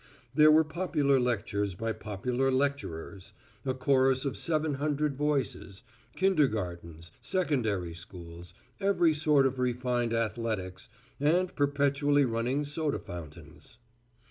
There were popular lectures by popular lecturers, a chorus of seven hundred voices, kindergartens, secondary schools, every sort of refined athletics, and perpetually running soda fountains.